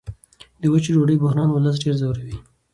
د وچې ډوډۍ بحران ولس ډېر ځوروي.